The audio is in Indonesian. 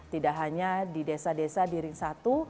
tidak hanya di desa desa di ring satu